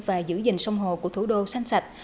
và giữ gìn sông hồ của thủ đô xanh sạch